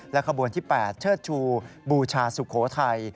ขบวนที่๘เชิดชูบูชาสุโขทัย